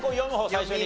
最初に。